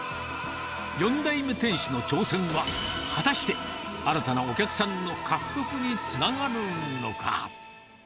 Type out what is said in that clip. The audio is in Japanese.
４代目店主の挑戦は、果たして、新たなお客さんの獲得につながるのか。